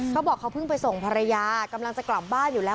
เขาบอกเขาเพิ่งไปส่งภรรยากำลังจะกลับบ้านอยู่แล้ว